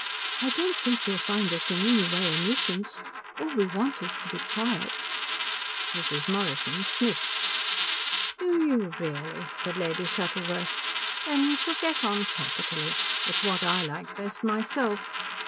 "I don't think you'll find us in any way a nuisance. All we want is to be quiet." Mrs. Morrison sniffed. "Do you really?" said Lady Shuttleworth. "Then we shall get on capitally. It's what I like best myself.